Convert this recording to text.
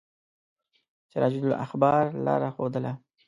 سراج الاخبار لاره ښودله.